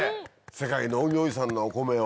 世界農業遺産のお米を。